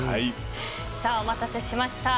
さあ、お待たせしました。